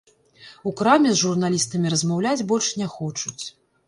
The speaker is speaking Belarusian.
У краме з журналістамі размаўляць больш не хочуць.